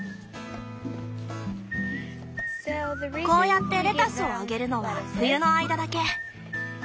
こうやってレタスをあげるのは冬の間だけ。